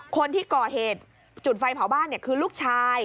คนที่ก่อเหตุจุดไฟเผาบ้านคือลูกชาย